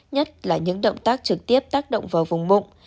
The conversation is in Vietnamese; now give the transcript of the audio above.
nhất là những động tác trực tiếp tác động vào vùng bụng